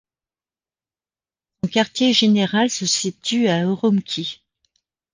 Son quartier général se situe à Ürümqi.